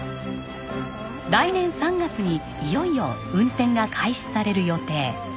来年３月にいよいよ運転が開始される予定。